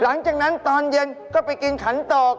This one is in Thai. หลังจากนั้นตอนเย็นก็ไปกินขันตอก